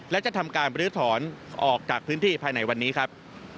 และจะทำการบรื้อถอนออกจากพื้นที่ภายในวันนี้ครับ